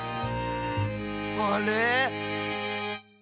あれ？